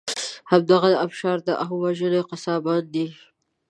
همدغه د آبشارو د عام وژنې قصابان دي.